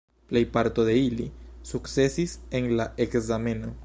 Plejparto de ili sukcesis en la ekzameno.